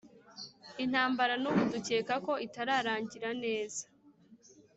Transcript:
intambara n'ubu dukeka ko itararangira neza,